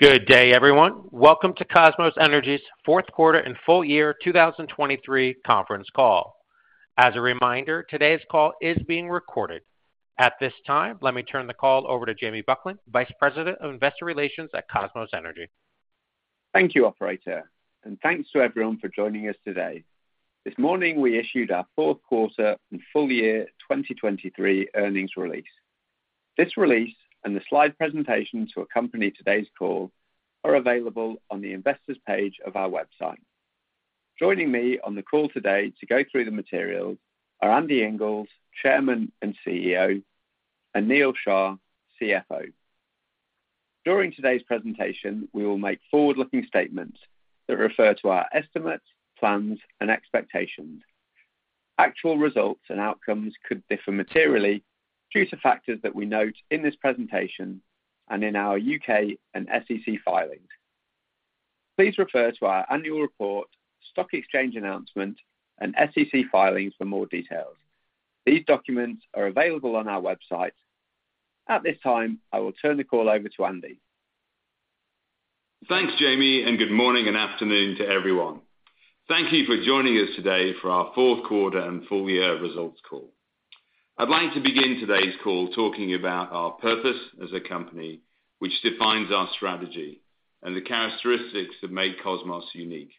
Good day, everyone. Welcome to Kosmos Energy's fourth quarter and full year 2023 conference call. As a reminder, today's call is being recorded. At this time, let me turn the call over to Jamie Buckland, Vice President of Investor Relations at Kosmos Energy. Thank you, operator, and thanks to everyone for joining us today. This morning, we issued our fourth quarter and full year 2023 earnings release. This release and the slide presentation to accompany today's call are available on the Investors page of our website. Joining me on the call today to go through the materials are Andy Inglis, Chairman and CEO, and Neal Shah, CFO. During today's presentation, we will make forward-looking statements that refer to our estimates, plans, and expectations. Actual results and outcomes could differ materially due to factors that we note in this presentation and in our U.K. and SEC filings. Please refer to our annual report, stock exchange announcement, and SEC filings for more details. These documents are available on our website. At this time, I will turn the call over to Andy. Thanks, Jamie, and good morning and afternoon to everyone. Thank you for joining us today for our fourth quarter and full year results call. I'd like to begin today's call talking about our purpose as a company, which defines our strategy and the characteristics that make Kosmos unique.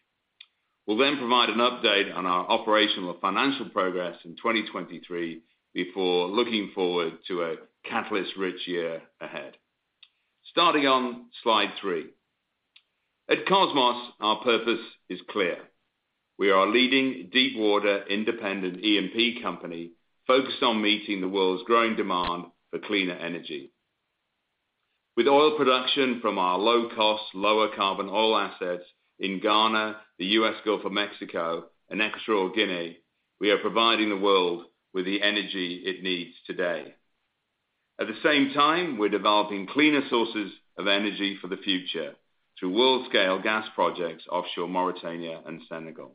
We'll then provide an update on our operational and financial progress in 2023 before looking forward to a catalyst-rich year ahead. Starting on slide 3. At Kosmos, our purpose is clear: We are a leading deepwater independent E&P company focused on meeting the world's growing demand for cleaner energy. With oil production from our low-cost, lower-carbon oil assets in Ghana, the U.S. Gulf of Mexico, and Equatorial Guinea, we are providing the world with the energy it needs today. At the same time, we're developing cleaner sources of energy for the future through world-scale gas projects offshore Mauritania and Senegal.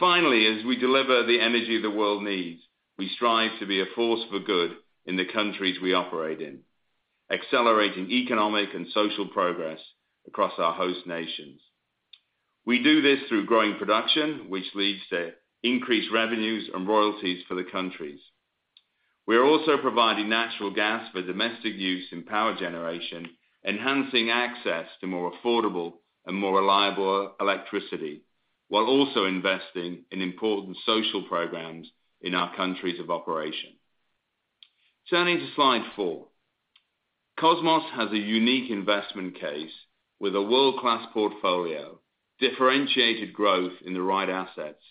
Finally, as we deliver the energy the world needs, we strive to be a force for good in the countries we operate in, accelerating economic and social progress across our host nations. We do this through growing production, which leads to increased revenues and royalties for the countries. We are also providing natural gas for domestic use in power generation, enhancing access to more affordable and more reliable electricity, while also investing in important social programs in our countries of operation. Turning to slide 4. Kosmos has a unique investment case with a world-class portfolio, differentiated growth in the right assets,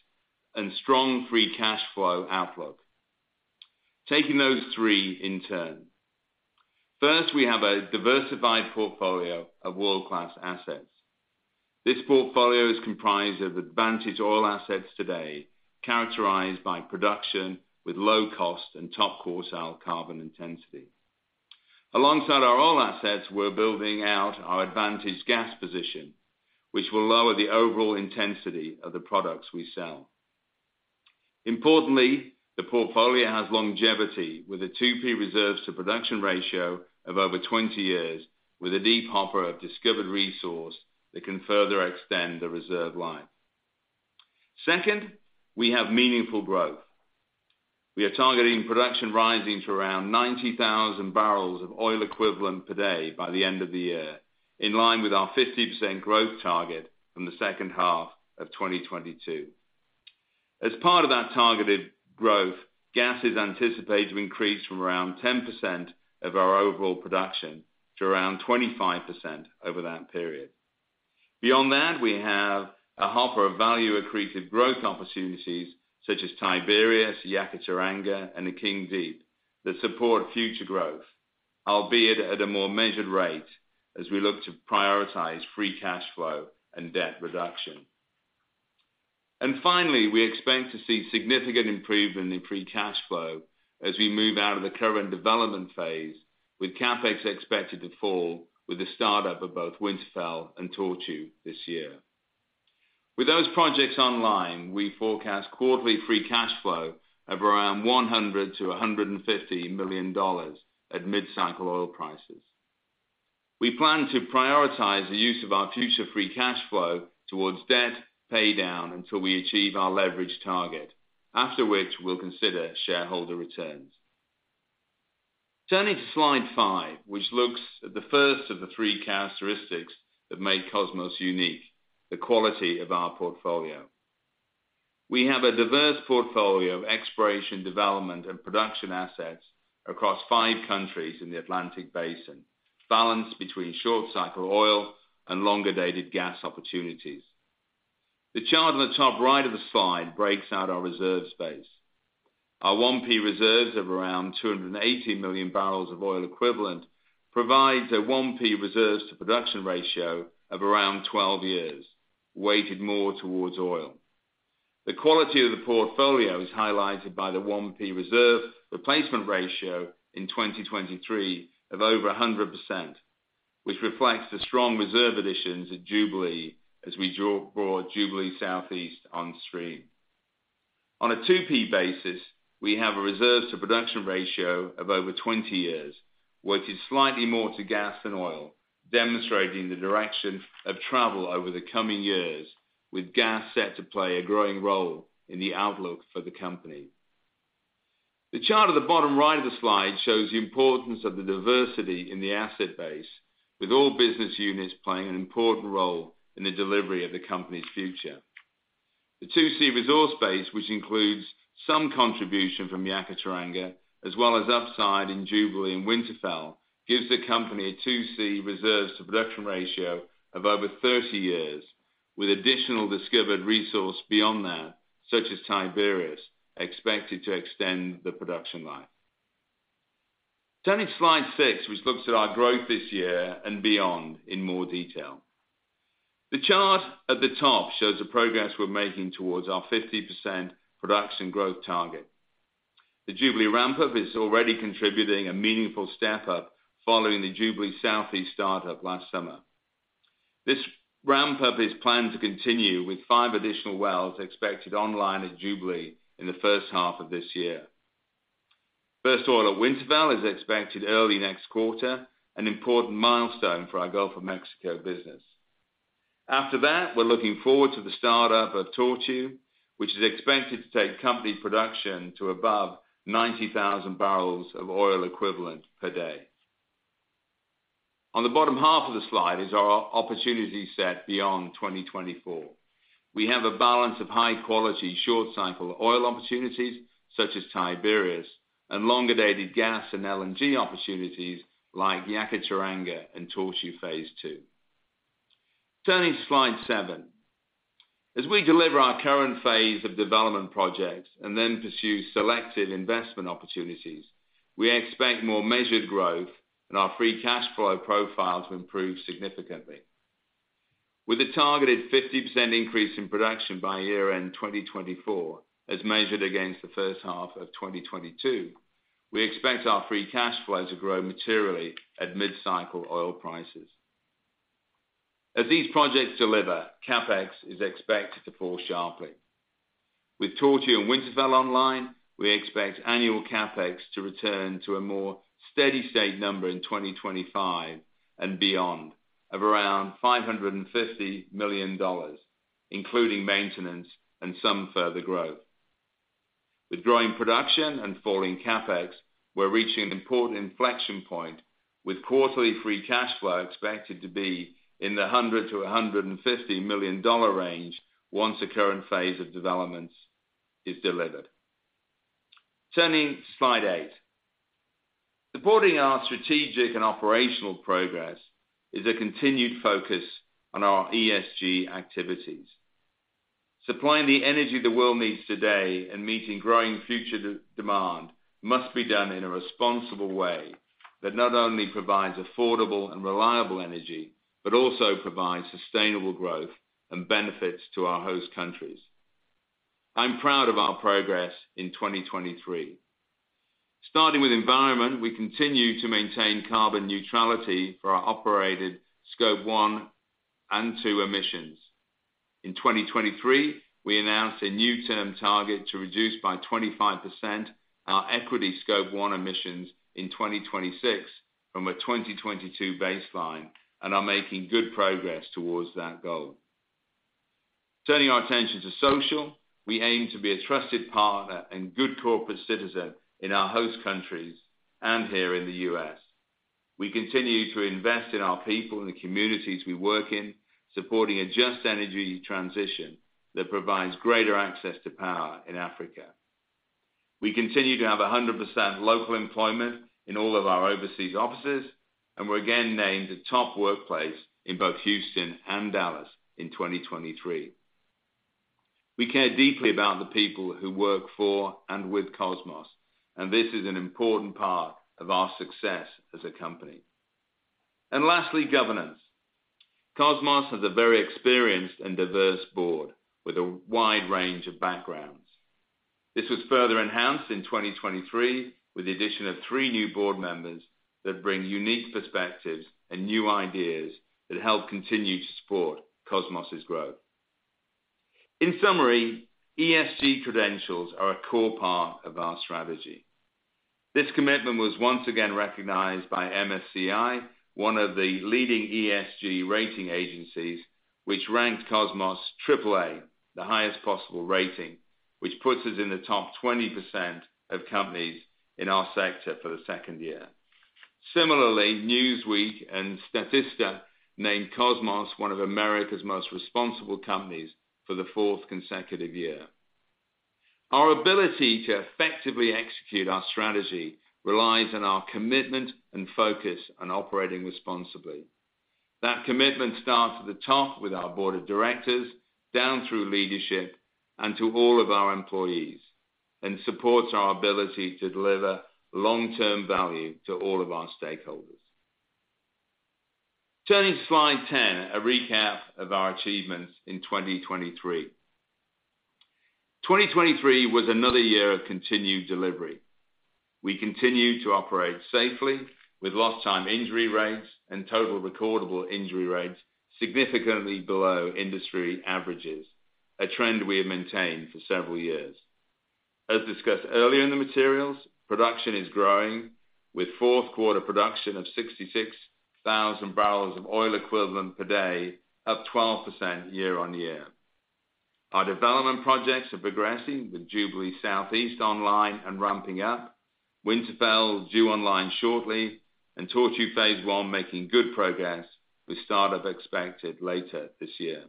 and strong free cash flow outlook. Taking those three in turn. First, we have a diversified portfolio of world-class assets. This portfolio is comprised of advantaged oil assets today, characterized by production with low-cost and top-quartile carbon intensity. Alongside our oil assets, we're building out our advantaged gas position, which will lower the overall intensity of the products we sell. Importantly, the portfolio has longevity, with a 2P reserves to production ratio of over 20 years, with a deep hopper of discovered resource that can further extend the reserve life. Second, we have meaningful growth. We are targeting production rising to around 90,000 bbl of oil equivalent per day by the end of the year, in line with our 50% growth target from the second half of 2022. As part of that targeted growth, gas is anticipated to increase from around 10% of our overall production to around 25% over that period. Beyond that, we have a hopper of value-accretive growth opportunities, such as Tiberius, Yakaar-Teranga, and the Akeng Deep, that support future growth, albeit at a more measured rate as we look to prioritize free cash flow and debt reduction. Finally, we expect to see significant improvement in free cash flow as we move out of the current development phase, with CapEx expected to fall with the startup of both Winterfell and Tortue this year. With those projects online, we forecast quarterly free cash flow of around $100 million-$150 million at mid-cycle oil prices. We plan to prioritize the use of our future free cash flow towards debt paydown until we achieve our leverage target, after which we'll consider shareholder returns. Turning to slide 5, which looks at the first of the three characteristics that make Kosmos unique, the quality of our portfolio. We have a diverse portfolio of exploration, development, and production assets across five countries in the Atlantic Basin, balanced between short-cycle oil and longer-dated gas opportunities. The chart on the top right of the slide breaks out our reserves base. Our 1P reserves of around 280 million bbl of oil equivalent provides a 1P reserves to production ratio of around 12 years, weighted more towards oil. The quality of the portfolio is highlighted by the 1P reserve replacement ratio in 2023 of over 100%, which reflects the strong reserve additions at Jubilee as we brought Jubilee Southeast on stream. On a 2P basis, we have a reserves to production ratio of over 20 years, which is slightly more to gas and oil, demonstrating the direction of travel over the coming years, with gas set to play a growing role in the outlook for the company. The chart at the bottom right of the slide shows the importance of the diversity in the asset base, with all business units playing an important role in the delivery of the company's future. The 2C resource base, which includes some contribution from Yakaar-Teranga, as well as upside in Jubilee and Winterfell, gives the company a 2C reserves to production ratio of over 30 years, with additional discovered resource beyond that, such as Tiberius, expected to extend the production life. Turning to slide 6, which looks at our growth this year and beyond in more detail. The chart at the top shows the progress we're making towards our 50% production growth target. The Jubilee ramp-up is already contributing a meaningful step-up, following the Jubilee Southeast start-up last summer. This ramp-up is planned to continue, with 5 additional wells expected online at Jubilee in the first half of this year. First oil at Winterfell is expected early next quarter, an important milestone for our Gulf of Mexico business. After that, we're looking forward to the start-up of Tortue, which is expected to take company production to above 90,000 bbl of oil equivalent per day. On the bottom half of the slide is our opportunity set beyond 2024. We have a balance of high-quality, short cycle oil opportunities, such as Tiberius, and longer-dated gas and LNG opportunities, like Yakaar-Teranga and Tortue Phase Two. Turning to slide seven. As we deliver our current phase of development projects and then pursue selected investment opportunities, we expect more measured growth and our free cash flow profile to improve significantly. With a targeted 50% increase in production by year-end 2024, as measured against the first half of 2022, we expect our free cash flow to grow materially at mid-cycle oil prices. As these projects deliver, CapEx is expected to fall sharply. With Tortue and Winterfell online, we expect annual CapEx to return to a more steady state number in 2025 and beyond, of around $550 million, including maintenance and some further growth. With growing production and falling CapEx, we're reaching an important inflection point, with quarterly free cash flow expected to be in the $100-$150 million range once the current phase of developments is delivered. Turning to slide 8. Supporting our strategic and operational progress is a continued focus on our ESG activities. Supplying the energy the world needs today and meeting growing future demand must be done in a responsible way that not only provides affordable and reliable energy, but also provides sustainable growth and benefits to our host countries. I'm proud of our progress in 2023. Starting with environment, we continue to maintain carbon neutrality for our operated Scope 1 and 2 emissions. In 2023, we announced a near-term target to reduce by 25% our equity Scope 1 emissions in 2026, from a 2022 baseline, and are making good progress towards that goal. Turning our attention to social, we aim to be a trusted partner and good corporate citizen in our host countries and here in the U.S. We continue to invest in our people and the communities we work in, supporting a just energy transition that provides greater access to power in Africa. We continue to have 100% local employment in all of our overseas offices, and were again named a top workplace in both Houston and Dallas in 2023. We care deeply about the people who work for and with Kosmos, and this is an important part of our success as a company. Lastly, governance. Kosmos has a very experienced and diverse board, with a wide range of backgrounds. This was further enhanced in 2023, with the addition of three new board members that bring unique perspectives and new ideas that help continue to support Kosmos' growth. In summary, ESG credentials are a core part of our strategy. This commitment was once again recognized by MSCI, one of the leading ESG rating agencies, which ranked Kosmos AAA, the highest possible rating, which puts us in the top 20% of companies in our sector for the second year. Similarly, Newsweek and Statista named Kosmos one of America's most responsible companies for the fourth consecutive year. Our ability to effectively execute our strategy relies on our commitment and focus on operating responsibly. That commitment starts at the top with our board of directors, down through leadership, and to all of our employees, and supports our ability to deliver long-term value to all of our stakeholders. Turning to slide 10, a recap of our achievements in 2023. 2023 was another year of continued delivery. We continue to operate safely, with lost time injury rates and total recordable injury rates significantly below industry averages, a trend we have maintained for several years. As discussed earlier in the materials, production is growing, with fourth quarter production of 66,000 bbl of oil equivalent per day, up 12% year-on-year. Our development projects are progressing, with Jubilee Southeast online and ramping up, Winterfell due online shortly, and Tortue Phase One making good progress, with startup expected later this year.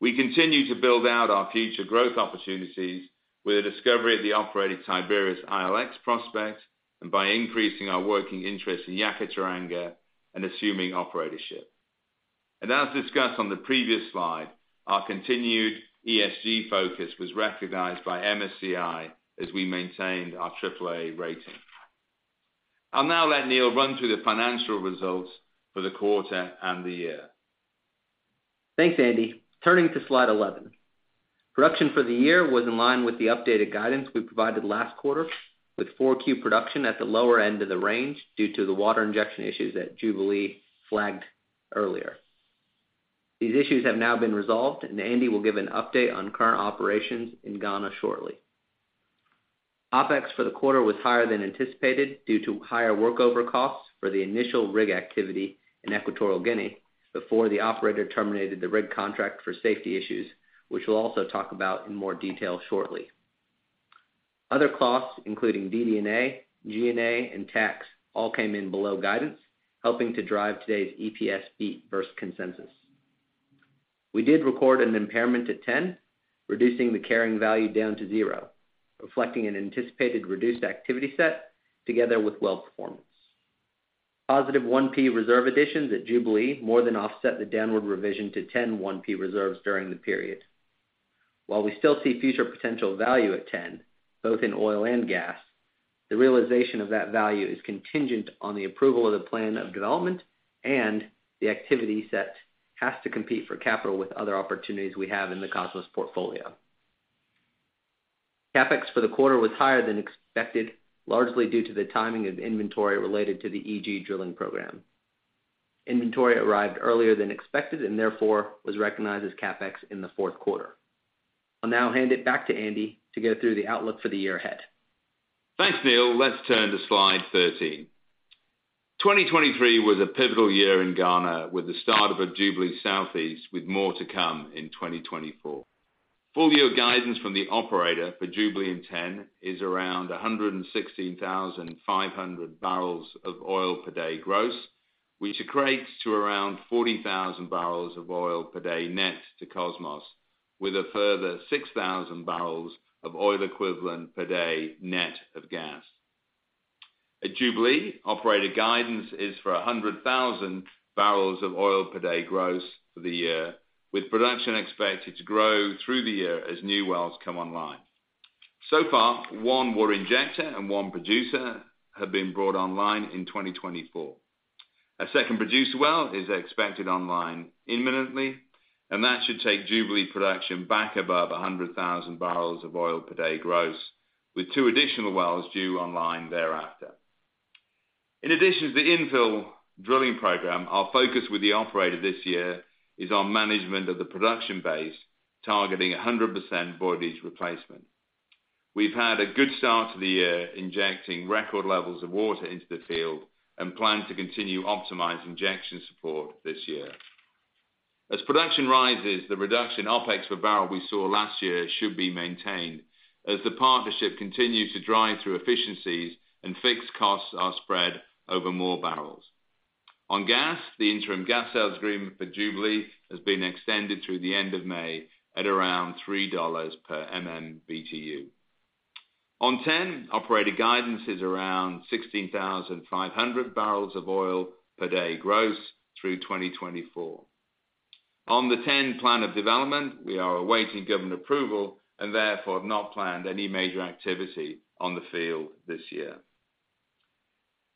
We continue to build out our future growth opportunities with the discovery of the operated Tiberius ILX prospect, and by increasing our working interest in Yakaar-Teranga and assuming operatorship. And as discussed on the previous slide, our continued ESG focus was recognized by MSCI as we maintained our AAA rating. I'll now let Neal run through the financial results for the quarter and the year. Thanks, Andy. Turning to Slide 11. Production for the year was in line with the updated guidance we provided last quarter, with 4Q production at the lower end of the range due to the water injection issues at Jubilee flagged earlier. These issues have now been resolved, and Andy will give an update on current operations in Ghana shortly. OpEx for the quarter was higher than anticipated due to higher workover costs for the initial rig activity in Equatorial Guinea before the operator terminated the rig contract for safety issues, which we'll also talk about in more detail shortly. Other costs, including DD&A, G&A, and tax, all came in below guidance, helping to drive today's EPS beat versus consensus. We did record an impairment at TEN, reducing the carrying value down to zero, reflecting an anticipated reduced activity set together with well performance. Positive 1P reserve additions at Jubilee more than offset the downward revision to TEN 1P reserves during the period. While we still see future potential value at TEN, both in oil and gas, the realization of that value is contingent on the approval of the plan of development, and the activity set has to compete for capital with other opportunities we have in the Kosmos portfolio. CapEx for the quarter was higher than expected, largely due to the timing of inventory related to the EG drilling program. Inventory arrived earlier than expected, and therefore was recognized as CapEx in the fourth quarter. I'll now hand it back to Andy to go through the outlook for the year ahead. Thanks, Neal. Let's turn to Slide 13. 2023 was a pivotal year in Ghana, with the start of a Jubilee Southeast, with more to come in 2024. Full-year guidance from the operator for Jubilee and TEN is around 116,500 bbl of oil per day gross, which equates to around 40,000 bbl of oil per day net to Kosmos, with a further 6,000 bbl of oil equivalent per day net of gas. At Jubilee, operator guidance is for 100,000 bbl of oil per day gross for the year, with production expected to grow through the year as new wells come online. So far, one water injector and one producer have been brought online in 2024. A second producer well is expected online imminently, and that should take Jubilee production back above 100,000 bbl of oil per day gross, with two additional wells due online thereafter. In addition to the infill drilling program, our focus with the operator this year is on management of the production base, targeting 100% voidage replacement. We've had a good start to the year, injecting record levels of water into the field, and plan to continue optimizing injection support this year. As production rises, the reduction OpEx per barrel we saw last year should be maintained as the partnership continues to drive through efficiencies and fixed costs are spread over more bbl. On gas, the interim gas sales agreement for Jubilee has been extended through the end of May at around $3 per MMBtu. On TEN, operator guidance is around 16,500 bbl of oil per day gross through 2024. On the TEN plan of development, we are awaiting government approval and therefore have not planned any major activity on the field this year.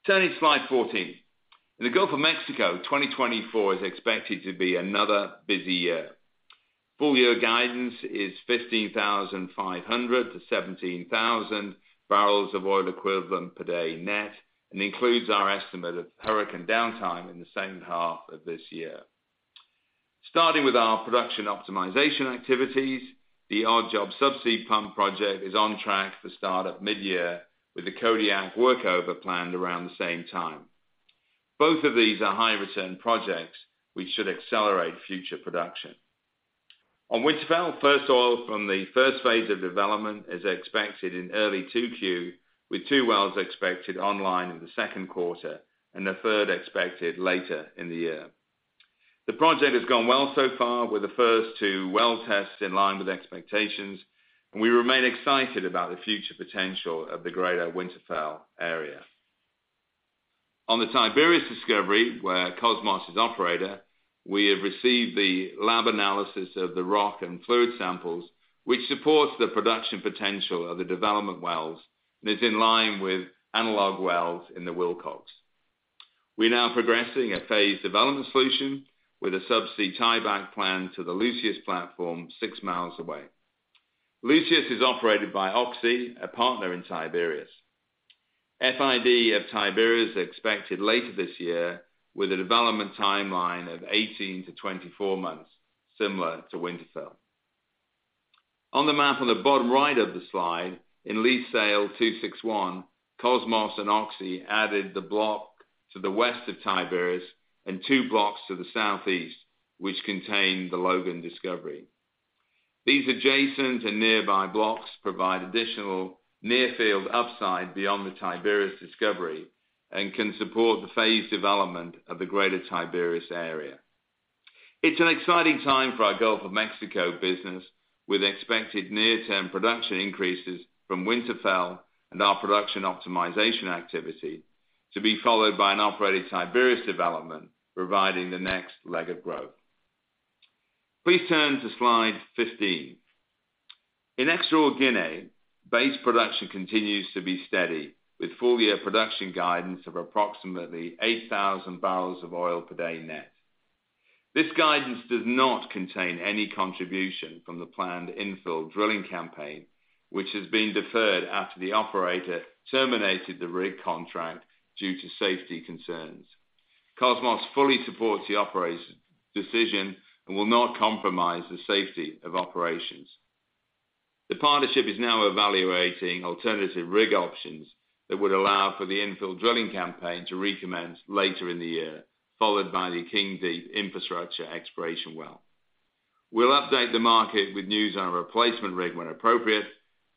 Turning to Slide 14. In the Gulf of Mexico, 2024 is expected to be another busy year. Full year guidance is 15,500 bbl-17,000 bbl of oil equivalent per day net, and includes our estimate of hurricane downtime in the second half of this year. Starting with our production optimization activities, the Odd Job Subsea Pump Project is on track for start of mid-year, with the Kodiak workover planned around the same time. Both of these are high-return projects, which should accelerate future production. On Winterfell, first oil from the first phase of development is expected in early 2Q, with two wells expected online in the second quarter and a third expected later in the year. The project has gone well so far, with the first two well tests in line with expectations, and we remain excited about the future potential of the greater Winterfell area. On the Tiberius discovery, where Kosmos is operator, we have received the lab analysis of the rock and fluid samples, which supports the production potential of the development wells, and is in line with analog wells in the Wilcox. We're now progressing a phased development solution with a subsea tieback plan to the Lucius platform six miles away. Lucius is operated by Oxy, a partner in Tiberius. FID of Tiberius is expected later this year, with a development timeline of 18-24 months, similar to Winterfell. On the map on the bottom right of the slide, in Lease Sale 261, Kosmos and Oxy added the block to the west of Tiberius and two blocks to the southeast, which contain the Logan discovery. These adjacent and nearby blocks provide additional near-field upside beyond the Tiberius discovery and can support the phased development of the greater Tiberius area. It's an exciting time for our Gulf of Mexico business, with expected near-term production increases from Winterfell and our production optimization activity to be followed by an operated Tiberius development, providing the next leg of growth. Please turn to slide 15. In Equatorial Guinea, base production continues to be steady, with full-year production guidance of approximately 8,000 bbl of oil per day net. This guidance does not contain any contribution from the planned infill drilling campaign, which has been deferred after the operator terminated the rig contract due to safety concerns. Kosmos fully supports the operator's decision and will not compromise the safety of operations. The partnership is now evaluating alternative rig options that would allow for the infill drilling campaign to recommence later in the year, followed by the Akeng Deep infrastructure exploration well. We'll update the market with news on a replacement rig when appropriate,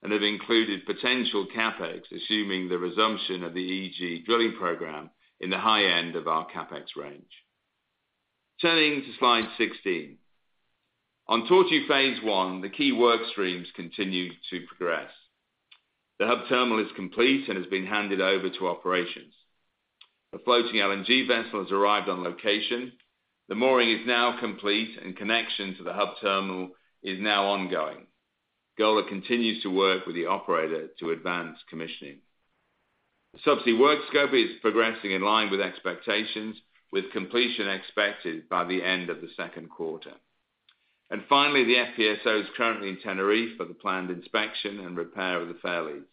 and have included potential CapEx, assuming the resumption of the EG drilling program in the high end of our CapEx range. Turning to slide 16. On Tortue Phase One, the key work streams continue to progress. The hub terminal is complete and has been handed over to operations. The floating LNG vessel has arrived on location. The mooring is now complete, and connection to the hub terminal is now ongoing. Golar continues to work with the operator to advance commissioning. Subsea work scope is progressing in line with expectations, with completion expected by the end of the second quarter. And finally, the FPSO is currently in Tenerife for the planned inspection and repair of the fairleads.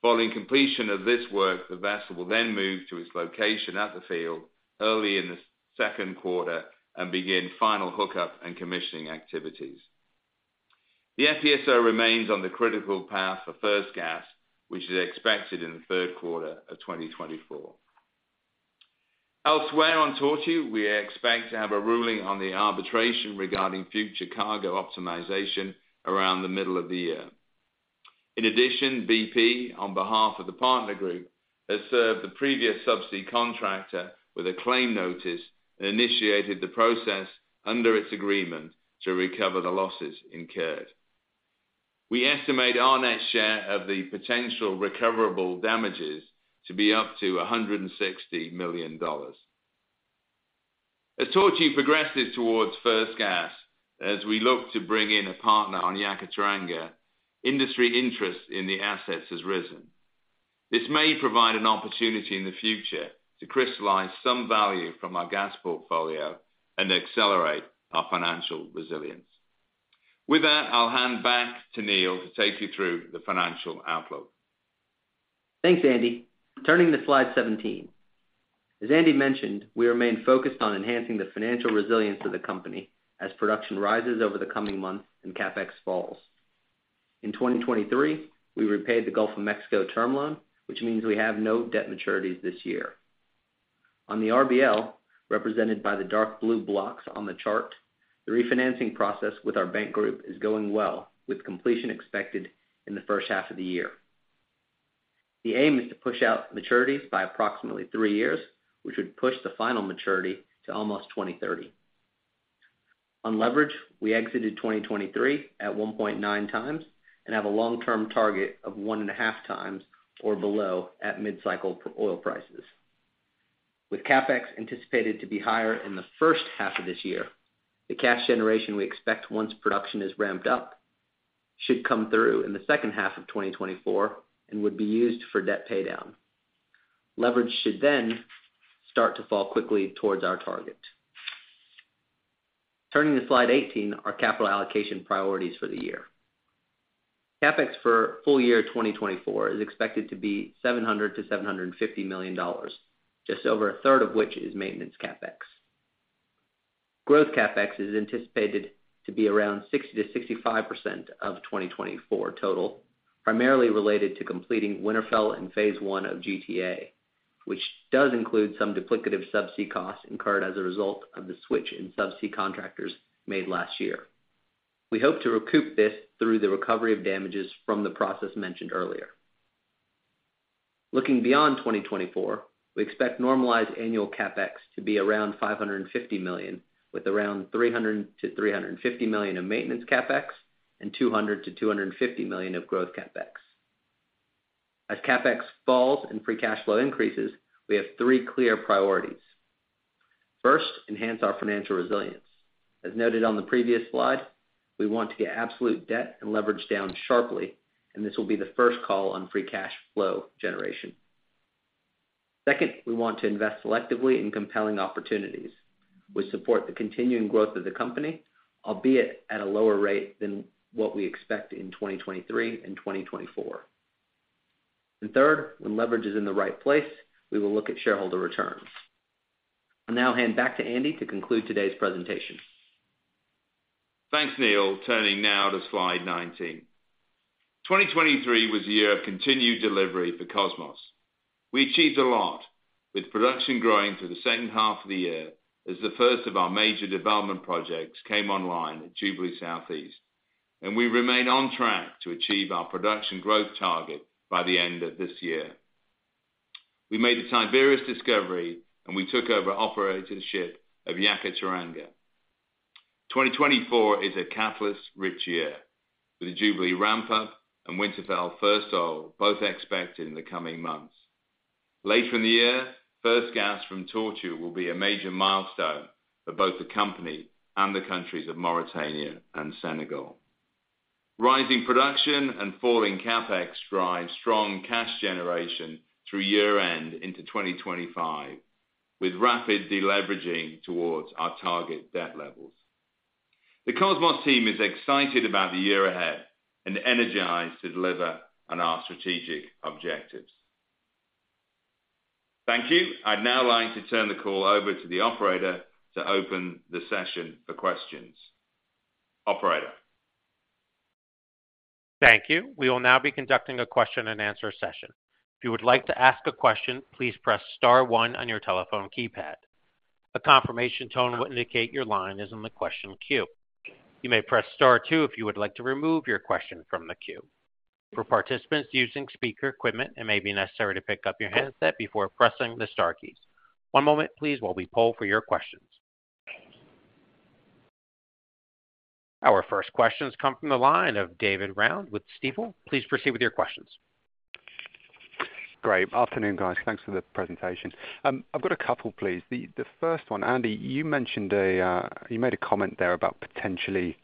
Following completion of this work, the vessel will then move to its location at the field early in the second quarter and begin final hookup and commissioning activities. The FPSO remains on the critical path for first gas, which is expected in the third quarter of 2024. Elsewhere on Tortue, we expect to have a ruling on the arbitration regarding future cargo optimization around the middle of the year. In addition, BP, on behalf of the partner group, has served the previous subsea contractor with a claim notice and initiated the process under its agreement to recover the losses incurred. We estimate our net share of the potential recoverable damages to be up to $160 million. As Tortue progresses towards first gas, as we look to bring in a partner on Yakaar-Teranga, industry interest in the assets has risen. This may provide an opportunity in the future to crystallize some value from our gas portfolio and accelerate our financial resilience. With that, I'll hand back to Neal to take you through the financial outlook. Thanks, Andy. Turning to slide 17. As Andy mentioned, we remain focused on enhancing the financial resilience of the company as production rises over the coming months and CapEx falls. In 2023, we repaid the Gulf of Mexico term loan, which means we have no debt maturities this year. On the RBL, represented by the dark blue blocks on the chart, the refinancing process with our bank group is going well, with completion expected in the first half of the year. The aim is to push out maturities by approximately three years, which would push the final maturity to almost 2030. On leverage, we exited 2023 at 1.9x and have a long-term target of 1.5x or below at mid-cycle for oil prices. With CapEx anticipated to be higher in the first half of this year, the cash generation we expect once production is ramped up should come through in the second half of 2024 and would be used for debt paydown. Leverage should then start to fall quickly towards our target. Turning to slide 18, our capital allocation priorities for the year. CapEx for full year 2024 is expected to be $700 million-$750 million, just over a third of which is maintenance CapEx. Growth CapEx is anticipated to be around 60%-65% of 2024 total, primarily related to completing Winterfell and phase I of GTA, which does include some duplicative subsea costs incurred as a result of the switch in subsea contractors made last year. We hope to recoup this through the recovery of damages from the process mentioned earlier. Looking beyond 2024, we expect normalized annual CapEx to be around $550 million, with around $300 million-$350 million in maintenance CapEx and $200 million-$250 million of growth CapEx. As CapEx falls and free cash flow increases, we have three clear priorities: First, enhance our financial resilience. As noted on the previous slide, we want to get absolute debt and leverage down sharply, and this will be the first call on free cash flow generation. Second, we want to invest selectively in compelling opportunities, which support the continuing growth of the company, albeit at a lower rate than what we expect in 2023 and 2024. And third, when leverage is in the right place, we will look at shareholder returns. I'll now hand back to Andy to conclude today's presentation. Thanks, Neal. Turning now to slide 19. 2023 was a year of continued delivery for Kosmos. We achieved a lot, with production growing through the second half of the year as the first of our major development projects came online at Jubilee Southeast, and we remain on track to achieve our production growth target by the end of this year. We made a Tiberius discovery, and we took over operatorship of Yakaar-Teranga. 2024 is a catalyst-rich year, with the Jubilee ramp-up and Winterfell first oil both expected in the coming months. Later in the year, first gas from Tortue will be a major milestone for both the company and the countries of Mauritania and Senegal. Rising production and falling CapEx drive strong cash generation through year-end into 2025, with rapid deleveraging towards our target debt levels. The Kosmos team is excited about the year ahead and energized to deliver on our strategic objectives. Thank you. I'd now like to turn the call over to the operator to open the session for questions. Operator? Thank you. We will now be conducting a question-and-answer session. If you would like to ask a question, please press star one on your telephone keypad. A confirmation tone will indicate your line is in the question queue. You may press star two if you would like to remove your question from the queue. For participants using speaker equipment, it may be necessary to pick up your handset before pressing the star keys. One moment, please, while we poll for your questions. Our first questions come from the line of David Round with Stifel. Please proceed with your questions. Great. Afternoon, guys. Thanks for the presentation. I've got a couple, please. The first one, Andy, you mentioned you made a comment there about potentially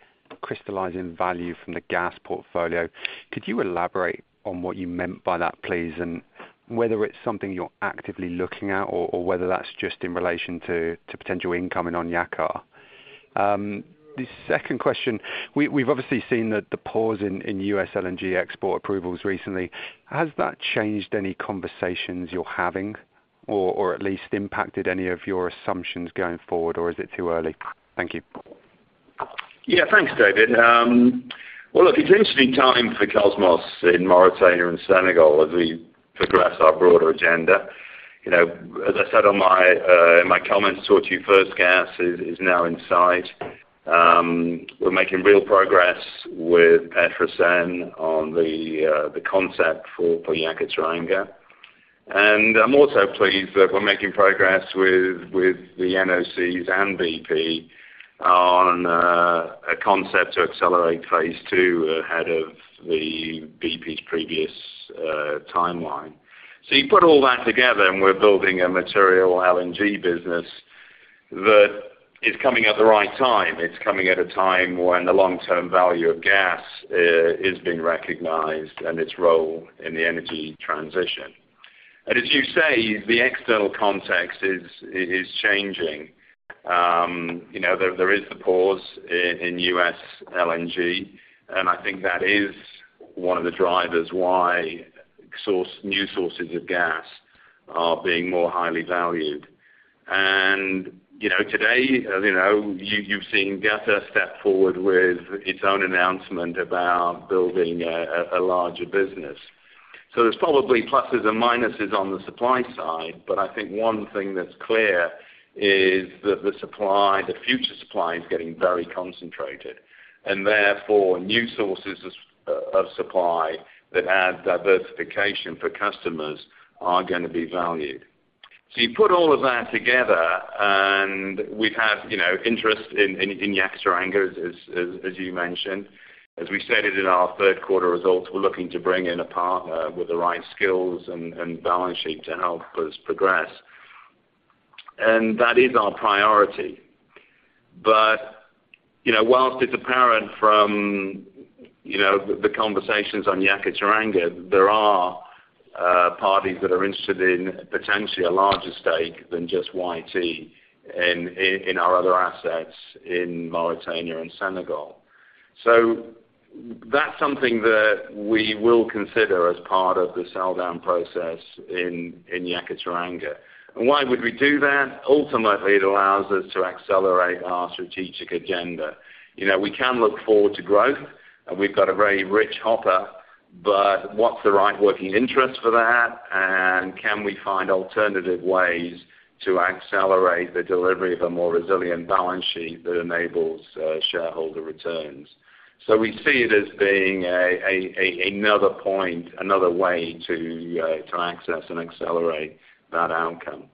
crystallizing value from the gas portfolio. Could you elaborate on what you meant by that, please, and whether it's something you're actively looking at, or whether that's just in relation to potential income in on Yakaar? The second question, we've obviously seen the pause in U.S. LNG export approvals recently. Has that changed any conversations you're having, or at least impacted any of your assumptions going forward, or is it too early? Thank you. Yeah. Thanks, David. Well, look, it's an interesting time for Kosmos in Mauritania and Senegal as we progress our broader agenda. You know, as I said on my in my comments, Tortue First Gas is now in sight. We're making real progress with PETROSEN on the the concept for Yakaar-Teranga. And I'm also pleased that we're making progress with the NOCs and BP on a concept to accelerate phase two ahead of the BP's previous timeline. So you put all that together, and we're building a material LNG business that is coming at the right time. It's coming at a time when the long-term value of gas is being recognized and its role in the energy transition. And as you say, the external context is changing. You know, there is the pause in U.S. LNG, and I think that is one of the drivers why new sources of gas are being more highly valued. And, you know, today, as you know, you've seen Golar step forward with its own announcement about building a larger business. So there's probably pluses and minuses on the supply side, but I think one thing that's clear is that the supply, the future supply, is getting very concentrated, and therefore, new sources of supply that add diversification for customers are gonna be valued. So you put all of that together, and we've had, you know, interest in Yakaar-Teranga, as you mentioned. As we stated in our third quarter results, we're looking to bring in a partner with the right skills and balance sheet to help us progress. That is our priority. But, you know, while it's apparent from, you know, the conversations on Yakaar-Teranga, there are parties that are interested in potentially a larger stake than just YT in our other assets in Mauritania and Senegal. So that's something that we will consider as part of the sell-down process in Yakaar-Teranga. And why would we do that? Ultimately, it allows us to accelerate our strategic agenda. You know, we can look forward to growth, and we've got a very rich hopper, but what's the right working interest for that? And can we find alternative ways to accelerate the delivery of a more resilient balance sheet that enables shareholder returns? So we see it as being another way to access and accelerate that outcome.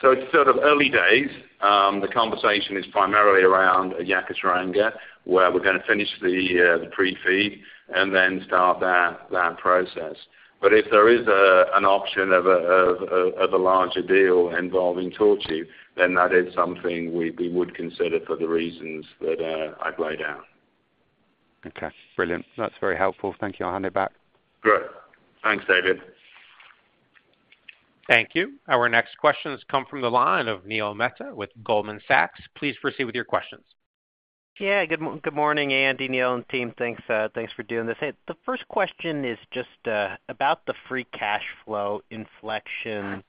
So it's sort of early days. The conversation is primarily around Yakaar-Teranga, where we're gonna finish the pre-FEED and then start that process. But if there is an option of a larger deal involving Tortue, then that is something we would consider for the reasons that I've laid out. Okay, brilliant. That's very helpful. Thank you. I'll hand it back. Great. Thanks, David. Thank you. Our next questions come from the line of Neil Mehta with Goldman Sachs. Please proceed with your questions. Yeah, good morning, Andy, Neal, and team. Thanks, thanks for doing this. The first question is just about the free cash flow inflection.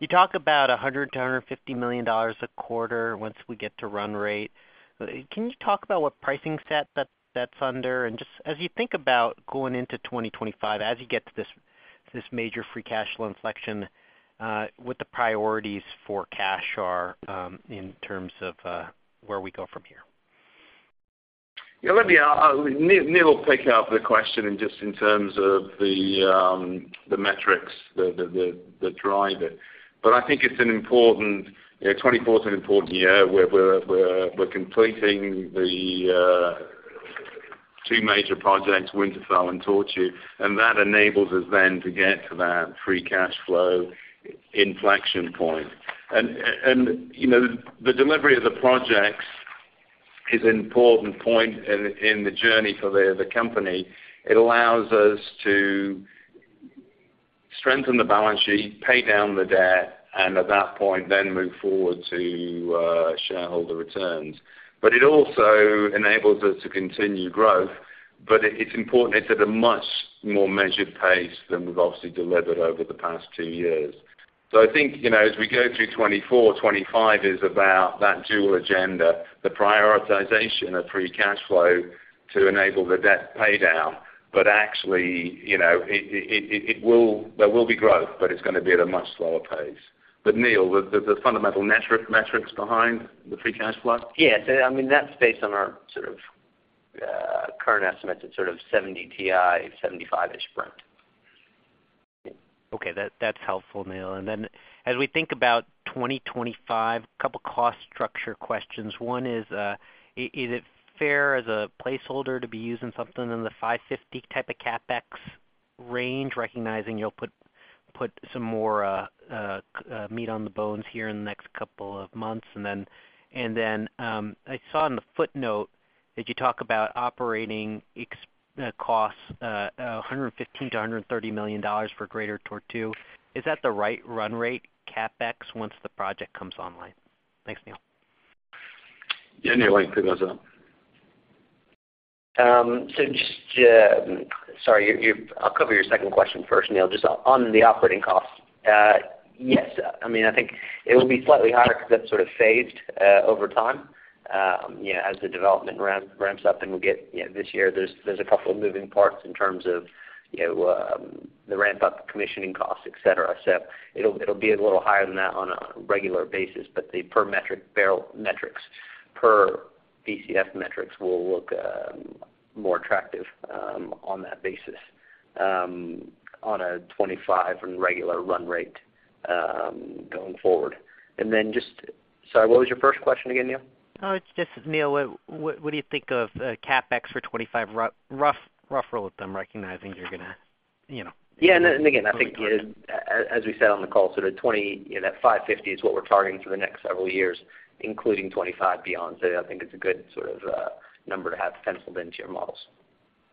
You talk about $100 million-$150 million a quarter once we get to run rate. Can you talk about what pricing set that, that's under? And just as you think about going into 2025, as you get to this, this major free cash flow inflection, what the priorities for cash are, in terms of, where we go from here? Yeah, let me, Neal will pick up the question just in terms of the metrics, the driver. But I think it's an important, you know, 2024 is an important year, where we're completing the two major projects, Winterfell and Tortue, and that enables us then to get to that free cash flow inflection point. And, and, you know, the delivery of the projects is an important point in the journey for the company. It allows us to strengthen the balance sheet, pay down the debt, and at that point, then move forward to shareholder returns. But it also enables us to continue growth, but it's important it's at a much more measured pace than we've obviously delivered over the past two years. So I think, you know, as we go through 2024, 2025 is about that dual agenda, the prioritization of free cash flow to enable the debt pay down. But actually, you know, it will, there will be growth, but it's gonna be at a much slower pace. But Neal, the fundamental metric, metrics behind the free cash flow? Yes, I mean, that's based on our sort of current estimates. It's sort of 70 TI, 75-ish Brent. Okay, that, that's helpful, Neal. And then as we think about 2025, a couple of cost structure questions. One is, is it fair as a placeholder to be using something in the $550 type of CapEx range, recognizing you'll put some more meat on the bones here in the next couple of months? And then, I saw in the footnote that you talk about operating costs, $115 million-$130 million for Greater Tortue. Is that the right run rate CapEx once the project comes online? Thanks, Neal. Yeah, Neal, why don't you pick us up? Sorry, I'll cover your second question first, Neil, just on the operating costs. Yes. I mean, I think it will be slightly higher because that's sort of phased over time, you know, as the development ramps up and we'll get, you know, this year, there's a couple of moving parts in terms of, you know, the ramp-up commissioning costs, et cetera. So it'll be a little higher than that on a regular basis, but the per metric barrel metrics, per BCF metrics will look more attractive on that basis, on a 25 and regular run rate, going forward. And then just, sorry, what was your first question again, Neil? Oh, it's just, Neal, what do you think of CapEx for 2025? Rough rule of thumb, recognizing you're gonna, you know- Yeah, and again, I think, as we said on the call, sort of 2020, you know, that $550 is what we're targeting for the next several years, including 2025 beyond. So I think it's a good sort of number to have penciled into your models.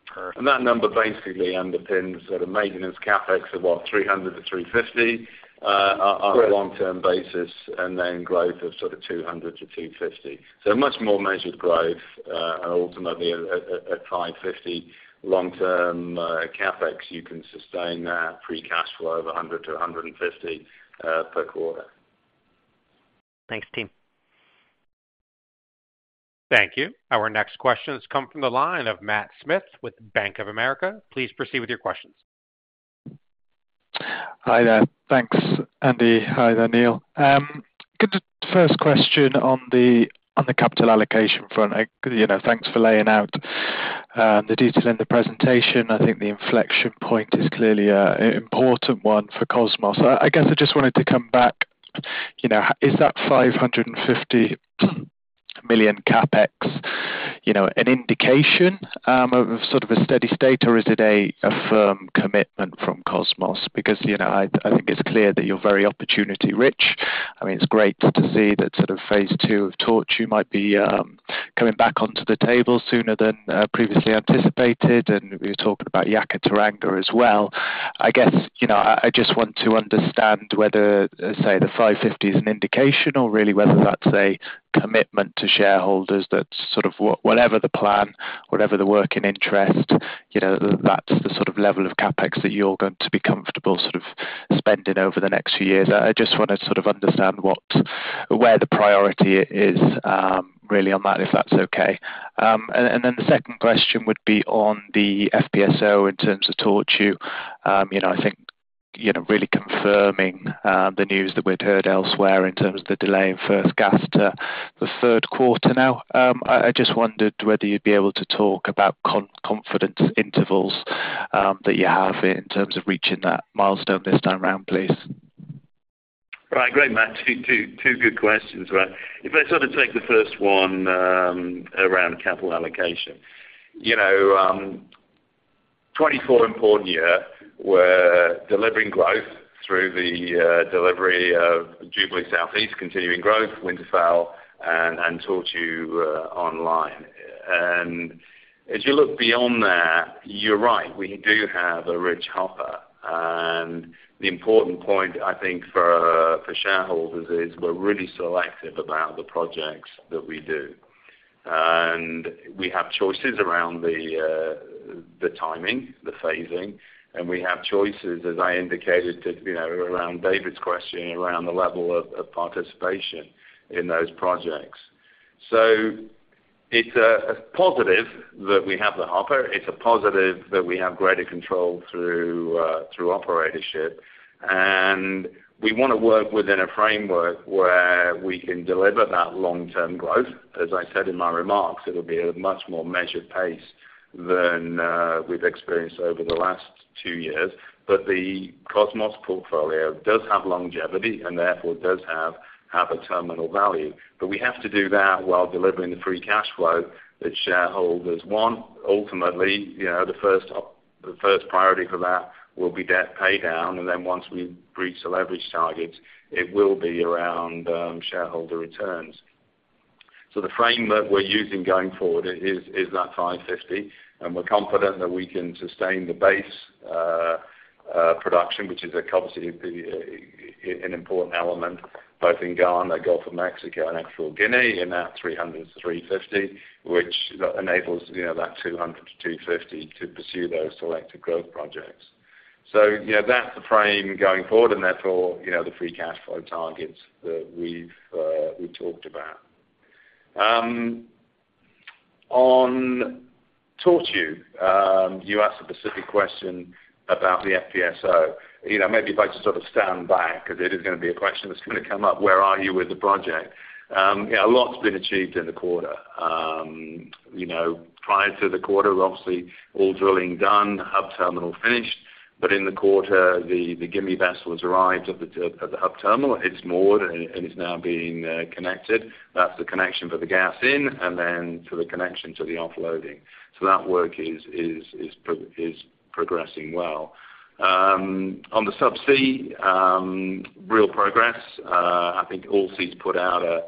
Perfect. That number basically underpins sort of maintenance CapEx of what, $300-$350, on a long-term basis, and then growth of sort of $200-$250. A much more measured growth, and ultimately at 550 long-term, CapEx, you can sustain that free cash flow of $100-$150 per quarter. Thanks, team. Thank you. Our next questions come from the line of Matt Smith with Bank of America. Please proceed with your questions. Hi there. Thanks, Andy. Hi there, Neal. Good, first question on the, on the capital allocation front. You know, thanks for laying out the detail in the presentation. I think the inflection point is clearly an important one for Kosmos. I guess I just wanted to come back, you know, is that $550 million CapEx, you know, an indication of sort of a steady state, or is it a firm commitment from Kosmos? Because, you know, I think it's clear that you're very opportunity rich. I mean, it's great to see that sort of phase two of Tortue might be coming back onto the table sooner than previously anticipated, and we were talking about Yakaar-Teranga as well. I guess, you know, I just want to understand whether, say, the $550 million is an indication or really whether that's a commitment to shareholders. That's sort of whatever the plan, whatever the work and interest, you know, that's the sort of level of CapEx that you're going to be comfortable sort of spending over the next few years. I just want to sort of understand what, where the priority is, really on that, if that's okay. And then the second question would be on the FPSO in terms of Tortue. You know, I think, you know, really confirming the news that we'd heard elsewhere in terms of the delay in first gas to the third quarter now. I just wondered whether you'd be able to talk about confidence intervals that you have in terms of reaching that milestone this time around, please? Right. Great, Matt. Two good questions. Well, if I sort of take the first one around capital allocation. You know, 2024 important year, we're delivering growth through the delivery of Jubilee Southeast, continuing growth, Winterfell, and Tortue online. And as you look beyond that, you're right, we do have a rich hopper. And the important point, I think, for shareholders is we're really selective about the projects that we do. And we have choices around the timing, the phasing, and we have choices, as I indicated to you know, around David's question, around the level of participation in those projects. So it's a positive that we have the hopper. It's a positive that we have greater control through operatorship, and we wanna work within a framework where we can deliver that long-term growth. As I said in my remarks, it'll be a much more measured pace than we've experienced over the last two years. But the Kosmos portfolio does have longevity, and therefore, does have a terminal value. But we have to do that while delivering the free cash flow that shareholders want. Ultimately, you know, the first priority for that will be debt pay down, and then once we reach the leverage targets, it will be around shareholder returns. So the frame that we're using going forward is that $550, and we're confident that we can sustain the base production, which is obviously an important element, both in Ghana, Gulf of Mexico, and Equatorial Guinea, in that $300-$350, which enables, you know, that $200-$250 to pursue those selective growth projects. So, you know, that's the frame going forward, and therefore, you know, the free cash flow targets that we've talked about. On Tortue, you asked a specific question about the FPSO. You know, maybe if I just sort of stand back, because it is gonna be a question that's gonna come up, where are you with the project? Yeah, a lot's been achieved in the quarter. You know, prior to the quarter, obviously, all drilling done, hub terminal finished. But in the quarter, the Gimi vessel has arrived at the hub terminal. It's moored and is now being connected. That's the connection for the gas in and then to the connection to the offloading. So that work is progressing well. On the subsea, real progress, I think Allseas put out a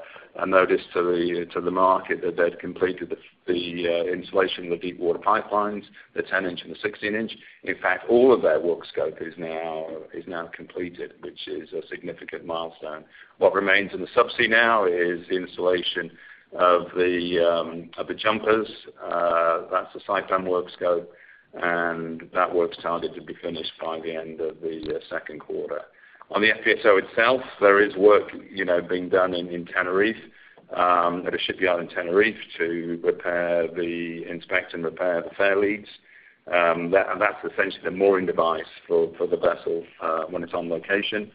notice to the market that they'd completed the installation of the deep water pipelines, the 10-inch and the 16-inch. In fact, all of their work scope is now completed, which is a significant milestone. What remains in the subsea now is the installation of the jumpers, that's the Saipem work scope, and that work's targeted to be finished by the end of the second quarter. On the FPSO itself, there is work, you know, being done in Tenerife, at a shipyard in Tenerife, to inspect and repair the fairleads. And that's essentially the mooring device for the vessel, when it's on location.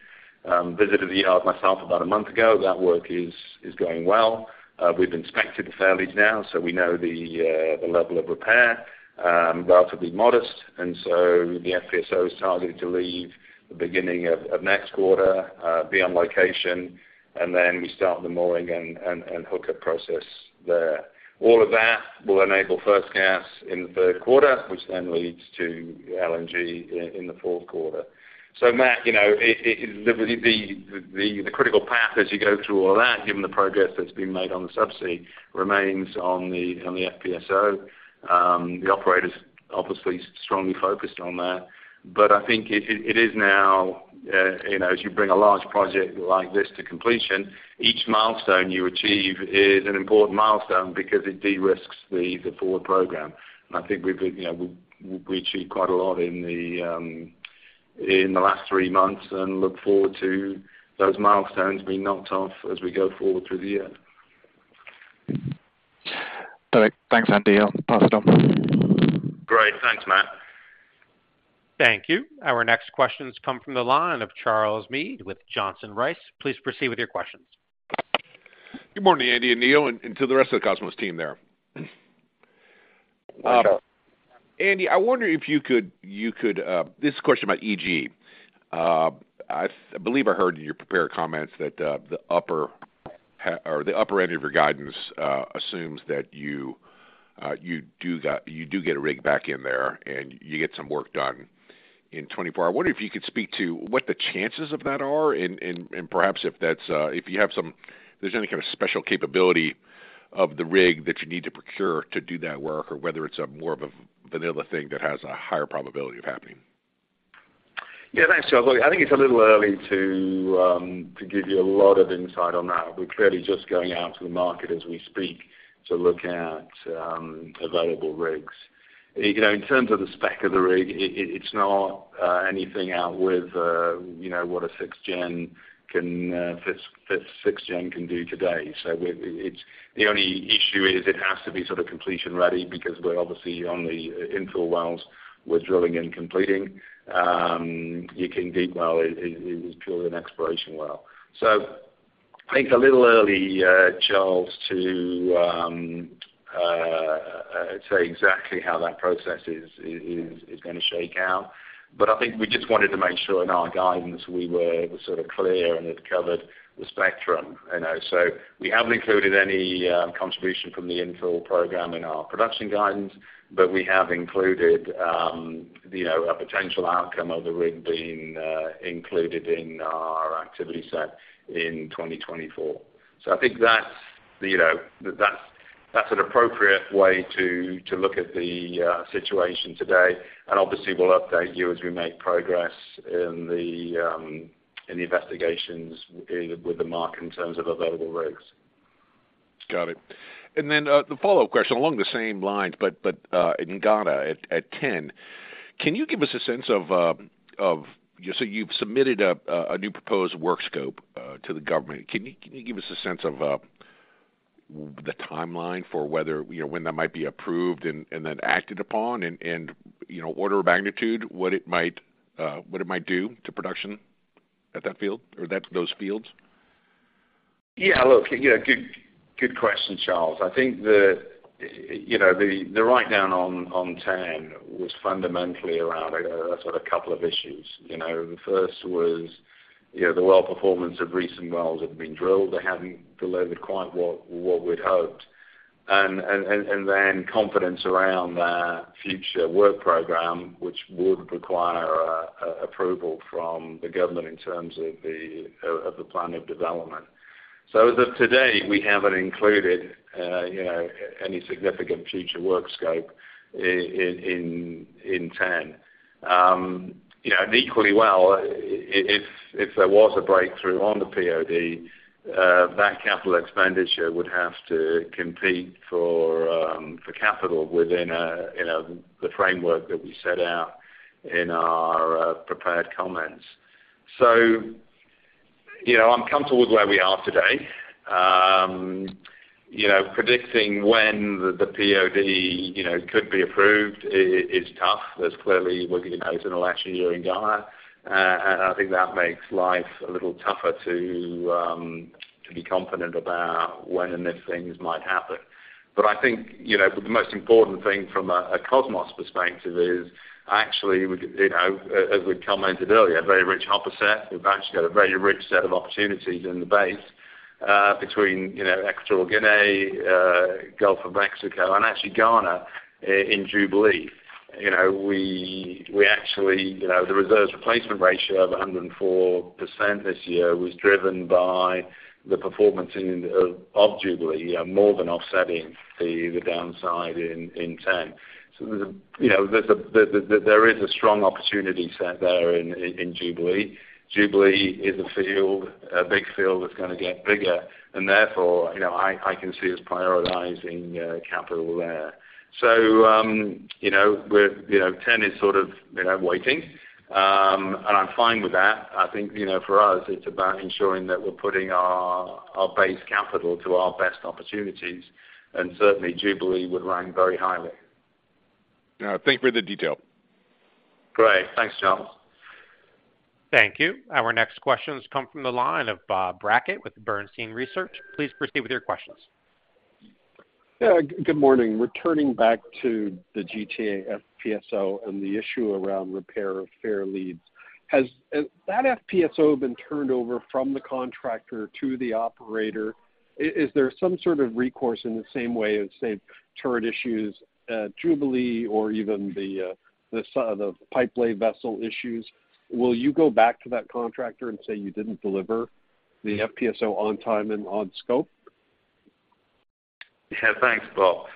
Visited the yard myself about a month ago. That work is going well. We've inspected the fairleads now, so we know the level of repair, relatively modest. And so the FPSO is targeted to leave the beginning of next quarter, be on location, and then we start the mooring and hookup process there. All of that will enable first gas in the third quarter, which then leads to LNG in the fourth quarter. So Matt, you know, the critical path as you go through all that, given the progress that's been made on the subsea, remains on the FPSO. The operator's obviously strongly focused on that. I think it is now, you know, as you bring a large project like this to completion, each milestone you achieve is an important milestone because it de-risks the forward program. I think we've been, you know, we achieved quite a lot in the last three months and look forward to those milestones being knocked off as we go forward through the year. Perfect. Thanks, Andy. I'll pass it on. Great. Thanks, Matt. Thank you. Our next questions come from the line of Charles Meade with Johnson Rice. Please proceed with your questions. Good morning, Andy and Neal, and to the rest of the Kosmos team there. Hi, Charles. Andy, I wonder if you could. This is a question about EG. I believe I heard in your prepared comments that the upper end of your guidance assumes that you do get a rig back in there, and you get some work done in 2024. I wonder if you could speak to what the chances of that are, and perhaps if there's any kind of special capability of the rig that you need to procure to do that work, or whether it's more of a vanilla thing that has a higher probability of happening. Yeah, thanks, Charles. I think it's a little early to give you a lot of insight on that. We're clearly just going out to the market as we speak to look at available rigs. You know, in terms of the spec of the rig, it's not anything out with you know, what a sixth-gen can fifth-gen can do today. So it's the only issue is it has to be sort of completion ready, because we're obviously on the infill wells, we're drilling and completing. You can deep well, it was purely an exploration well. So I think a little early, Charles, to say exactly how that process is gonna shake out. But I think we just wanted to make sure in our guidance, we were sort of clear, and it covered the spectrum, you know. So we haven't included any contribution from the infill program in our production guidance, but we have included, you know, a potential outcome of the rig being included in our activity set in 2024. So I think that's, you know, that's, that's an appropriate way to look at the situation today. And obviously, we'll update you as we make progress in the investigations with the market in terms of available rigs. Got it. And then, the follow-up question, along the same lines, but in Ghana, at TEN, can you give us a sense of, so you've submitted a new proposed work scope to the government. Can you give us a sense of the timeline for whether, you know, when that might be approved and then acted upon? And, you know, order of magnitude, what it might do to production at that field or those fields? Yeah, look, you know, good, good question, Charles. I think the, you know, the write down on TEN was fundamentally around a sort of couple of issues. You know, the first was, you know, the well performance of recent wells that have been drilled. They haven't delivered quite what we'd hoped. And then confidence around their future work program, which would require approval from the government in terms of the plan of development. So as of today, we haven't included, you know, any significant future work scope in TEN. You know, and equally well, if there was a breakthrough on the POD, that capital expenditure would have to compete for capital within, you know, the framework that we set out in our prepared comments. So, you know, I'm comfortable with where we are today. You know, predicting when the POD could be approved is tough. There's clearly, well, you know, it's an election year in Ghana, and I think that makes life a little tougher to, to be confident about when and if things might happen. But I think, you know, the most important thing from a Kosmos perspective is actually, we, you know, as we've commented earlier, a very rich hopper set. We've actually got a very rich set of opportunities in the basin, between, you know, Equatorial Guinea, Gulf of Mexico, and actually Ghana, in Jubilee. You know, we actually, you know, the reserves replacement ratio of 104% this year was driven by the performance in Jubilee, more than offsetting the downside in TEN. So, you know, there's a strong opportunity set there in Jubilee. Jubilee is a field, a big field that's gonna get bigger, and therefore, you know, I can see us prioritizing capital there. So, you know, TEN is sort of, you know, waiting, and I'm fine with that. I think, you know, for us, it's about ensuring that we're putting our base capital to our best opportunities, and certainly Jubilee would rank very highly. Thank you for the detail. Great. Thanks, Charles. Thank you. Our next questions come from the line of Bob Brackett with Bernstein Research. Please proceed with your questions. Yeah, good morning. Returning back to the GTA FPSO and the issue around repair of fairleads, has that FPSO been turned over from the contractor to the operator? Is there some sort of recourse in the same way as, say, turret issues at Jubilee or even the pipe lay vessel issues? Will you go back to that contractor and say you didn't deliver the FPSO on time and on scope? Yeah, thanks, Bob.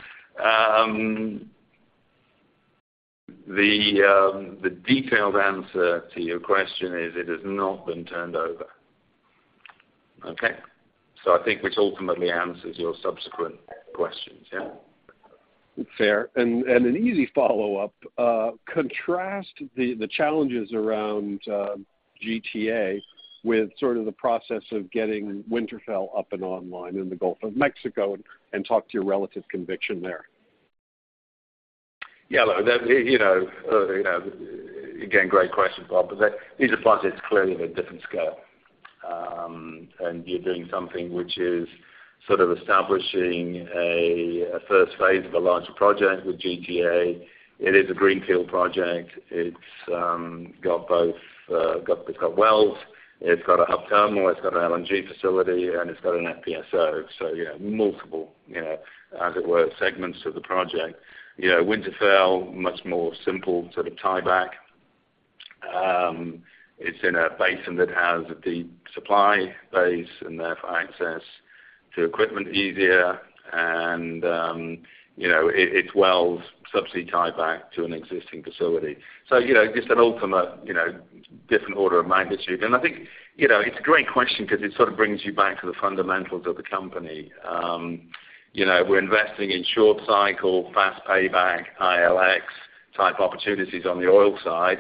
The detailed answer to your question is, it has not been turned over. Okay? So I think which ultimately answers your subsequent questions. Yeah. Fair. And an easy follow-up, contrast the challenges around GTA with sort of the process of getting Winterfell up and online in the Gulf of Mexico, and talk to your relative conviction there. Yeah, look, that, you know, you know, again, great question, Bob. But that these are projects clearly of a different scale. And you're doing something which is sort of establishing a first phase of a larger project with GTA. It is a greenfield project. It's got both, it's got wells, it's got a hub terminal, it's got an LNG facility, and it's got an FPSO. So yeah, multiple, you know, as it were, segments to the project. You know, Winterfell, much more simple sort of tieback. It's in a basin that has a deep supply base and therefore access to equipment easier. And, you know, it wells subsequently tieback to an existing facility. So, you know, just an ultimate, you know, different order of magnitude. I think, you know, it's a great question because it sort of brings you back to the fundamentals of the company. You know, we're investing in short cycle, fast payback, ILX-type opportunities on the oil side,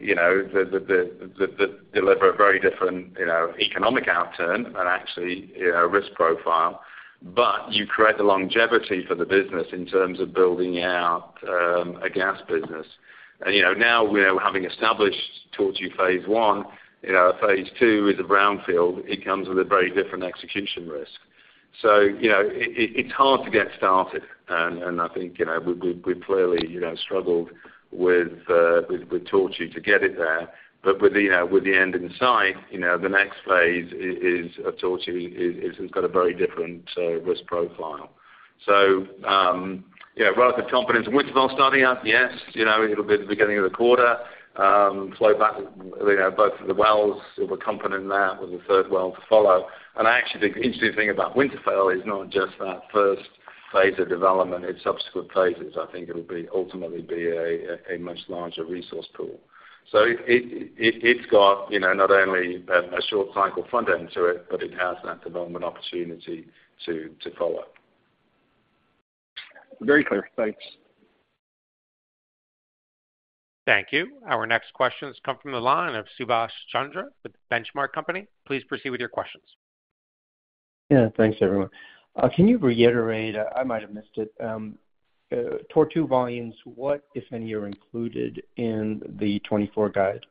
you know, that deliver a very different, you know, economic outturn and actually, you know, risk profile. But you create the longevity for the business in terms of building out a gas business. And, you know, now we're having established Tortue phase one, you know, phase two is a brownfield. It comes with a very different execution risk. So, you know, it's hard to get started, and I think, you know, we've clearly, you know, struggled with Tortue to get it there. But with, you know, with the end in sight, you know, the next phase is of Tortue has got a very different risk profile. So, yeah, relative confidence in Winterfell starting up? Yes. You know, it'll be the beginning of the quarter, flow back, you know, both of the wells. We're confident in that, with a third well to follow. And actually, the interesting thing about Winterfell is not just that first phase of development, it's subsequent phases. I think it'll ultimately be a much larger resource pool. So it's got, you know, not only a short cycle front end to it, but it has that development opportunity to follow. Very clear. Thanks. Thank you. Our next question has come from the line of Subash Chandra, The Benchmark Company. Please proceed with your questions. Yeah, thanks, everyone. Can you reiterate? I might have missed it. Tortue volumes, what, if any, are included in the 2024 guide?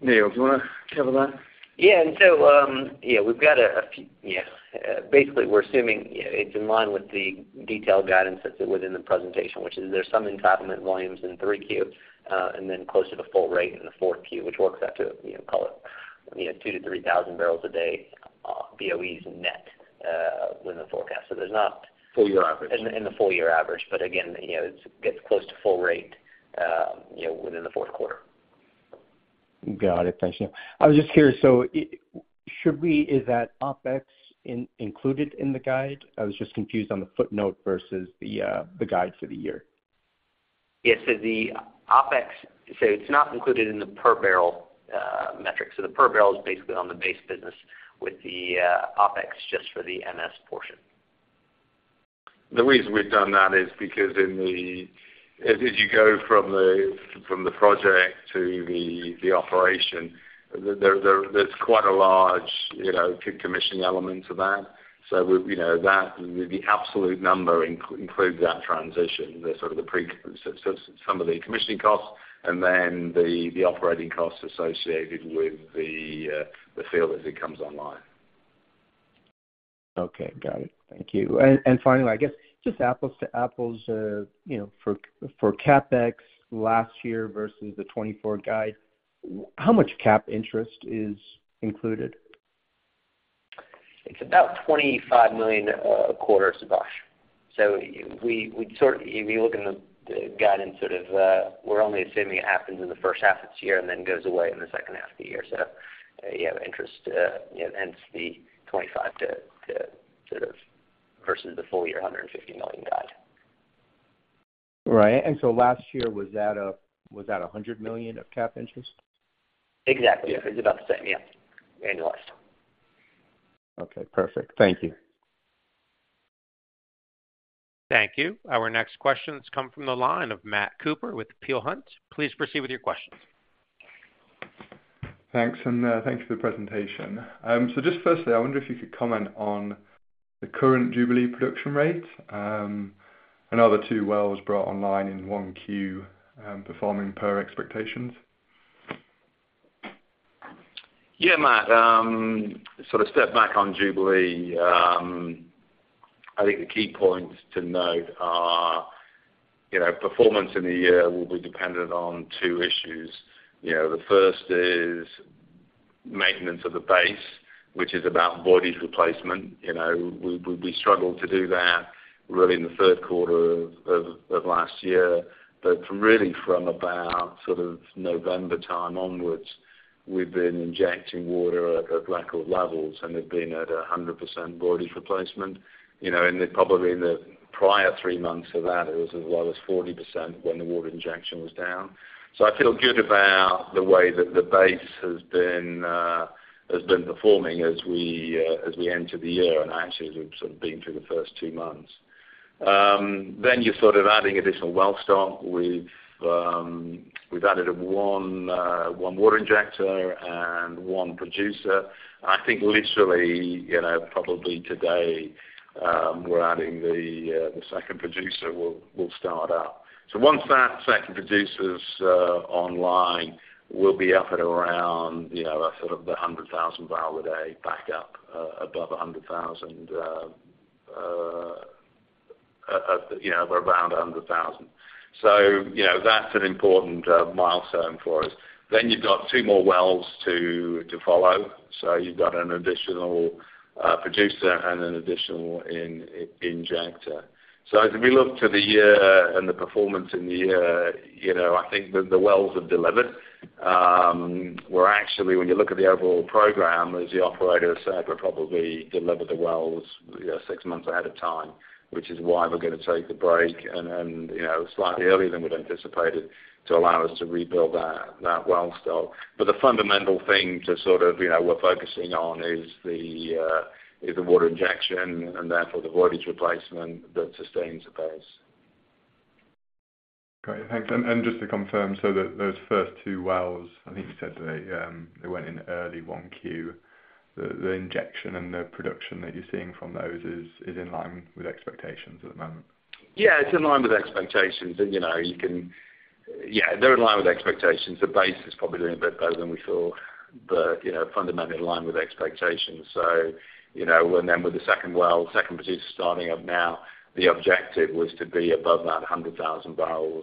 Neal, do you wanna have a go? And so, basically, we're assuming it's in line with the detailed guidance that's within the presentation, which is there's some entitlement volumes in 3Q, and then close to the full rate in the 4Q, which works out to, you know, call it, you know, 2,000 bbl-3,000 bbl a day, BOEs net, within the forecast. So there's not- Full year average. In the full year average. But again, you know, it's gets close to full rate, you know, within the fourth quarter. Got it. Thanks, Neal. I was just curious, so is that OpEx included in the guide? I was just confused on the footnote versus the, the guide for the year. Yeah, so the OpEx, so it's not included in the per barrel metric. So the per barrel is basically on the base business with the OpEx, just for the MS portion. The reason we've done that is because as you go from the project to the operation, there's quite a large, you know, commission element to that. So we, you know, that, the absolute number includes that transition. So some of the commissioning costs and then the operating costs associated with the field as it comes online. Okay, got it. Thank you. And finally, I guess, just apples to apples, you know, for CapEx last year versus the 2024 guide, how much cap interest is included? It's about $25 million, a quarter, Subash. So we sort of, if you look in the guidance, sort of, we're only assuming it happens in the first half of this year and then goes away in the second half of the year. So you have interest, you know, hence the $25 to sort of versus the full year, $150 million guide. Right. And so last year, was that $100 million of cap interest? Exactly. It's about the same, yeah, annualized. Okay, perfect. Thank you. Thank you. Our next question comes from the line of Matt Cooper with Peel Hunt. Please proceed with your question. Thanks, and thanks for the presentation. So just firstly, I wonder if you could comment on the current Jubilee production rate, and other two wells brought online in 1Q, performing per expectations? Yeah, Matt, sort of step back on Jubilee. I think the key points to note are, you know, performance in the year will be dependent on two issues. You know, the first is maintenance of the base, which is about voidage replacement. You know, we struggled to do that really in the third quarter of last year. But really from about sort of November time onwards, we've been injecting water at record levels, and they've been at 100% voidage replacement. You know, and then probably in the prior three months of that, it was as low as 40% when the water injection was down. So I feel good about the way that the base has been performing as we enter the year, and actually as we've sort of been through the first two months. Then you're sort of adding additional well start. We've added one water injector and one producer. I think literally, you know, probably today, we're adding the second producer will start up. So once that second producer's online, we'll be up at around, you know, a sort of 100,000 bbl a day, back up above 100,000, at, you know, around 100,000. So, you know, that's an important milestone for us. Then you've got two more wells to follow. So you've got an additional producer and an additional injector. So as we look to the year and the performance in the year, you know, I think the wells have delivered. We're actually, when you look at the overall program, as the operator said, we're probably delivered the wells, you know, six months ahead of time, which is why we're gonna take the break and, you know, slightly earlier than we'd anticipated to allow us to rebuild that well store. But the fundamental thing to sort of, you know, we're focusing on is the water injection and therefore the voidage replacement that sustains the base. Great, thanks. And just to confirm, so those first two wells, I think you said they went in early one Q. The injection and the production that you're seeing from those is in line with expectations at the moment? Yeah, it's in line with expectations. Yeah, they're in line with expectations. The base is probably doing a bit better than we thought, but, you know, fundamentally in line with expectations. So, you know, and then with the second well, second producer starting up now, the objective was to be above that 100,000 bbl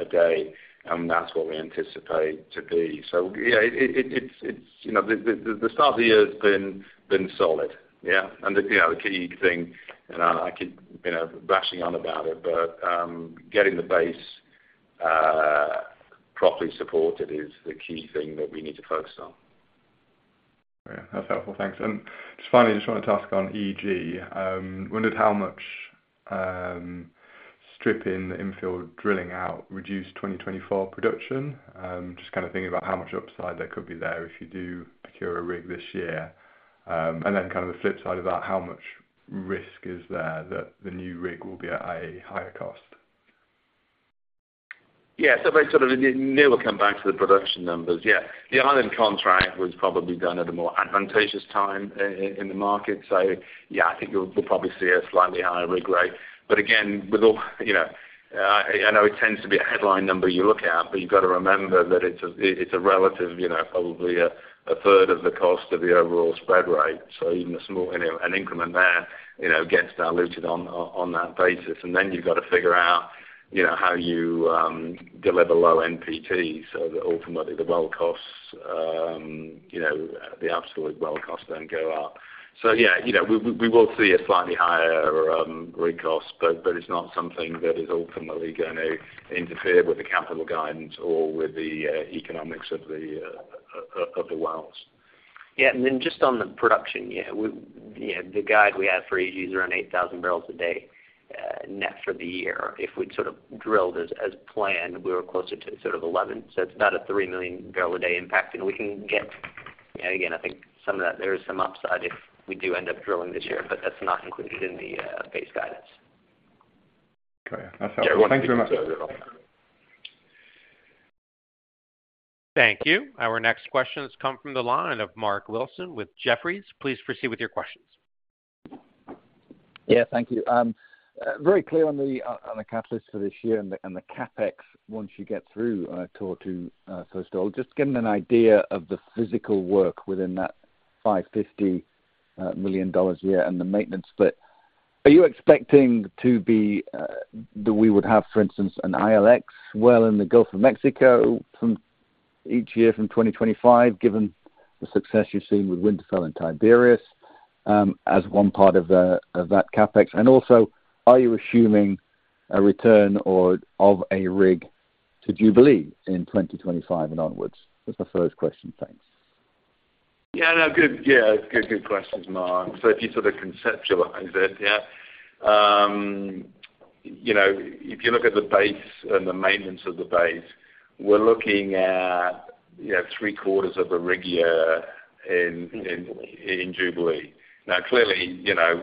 a day, and that's what we anticipate to be. So, yeah, it's, you know, the start of the year has been solid. Yeah, and, you know, the key thing, and I keep, you know, bashing on about it, but, getting the base properly supported is the key thing that we need to focus on. Yeah, that's helpful. Thanks. And just finally, just wanted to ask on EG, wondered how much stripping the infill drilling out reduced 2024 production? Just kind of thinking about how much upside there could be there if you do procure a rig this year. And then kind of the flip side of that, how much risk is there that the new rig will be at a higher cost? Yeah, so they sort of Neal will come back to the production numbers. Yeah. The Island contract was probably done at a more advantageous time in the market. So yeah, I think you'll probably see a slightly higher rig rate. But again, with all, you know, I know it tends to be a headline number you look at, but you've got to remember that it's a relative, you know, probably a third of the cost of the overall spread rate. So even a small, you know, an increment there, you know, gets diluted on that basis. And then you've got to figure out, you know, how you deliver low NPTs so that ultimately the well costs, you know, the absolute well costs don't go up. So yeah, you know, we will see a slightly higher rig cost, but it's not something that is ultimately going to interfere with the capital guidance or with the economics of the wells. Yeah. And then just on the production, yeah, we had the guide for EG around 8,000 bbl a day, net for the year. If we'd sort of drilled as planned, we were closer to sort of 11. So it's about a 3 million bbl a day impact, and we can get. And again, I think some of that, there is some upside if we do end up drilling this year, but that's not included in the base guidance. Okay. Yeah, that's helpful. Thank you very much. You're welcome. Thank you. Our next question has come from the line of Mark Wilson with Jefferies. Please proceed with your questions. Yeah, thank you. Very clear on the catalyst for this year and the CapEx once you get through Tortue, so I was just getting an idea of the physical work within that $550 million a year and the maintenance split. Are you expecting that we would have, for instance, an ILX well in the Gulf of Mexico each year from 2025, given the success you've seen with Winterfell and Tiberius, as one part of that CapEx? And also, are you assuming a return of a rig to Jubilee in 2025 and onwards? That's my first question. Thanks. Yeah. No, good. Yeah, good, good questions, Mark. So if you sort of conceptualize it, yeah, you know, if you look at the base and the maintenance of the base, we're looking at, you know, three quarters of a rig year in Jubilee. Now, clearly, you know,